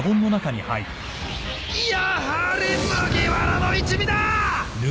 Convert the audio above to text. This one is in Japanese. やはり麦わらの一味だ！